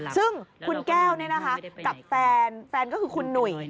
ซึ่งคุณแก้วกับแฟนแฟนก็คือคุณหนุ่ย